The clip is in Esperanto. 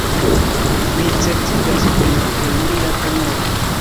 Mi certigas vin per mia honoro!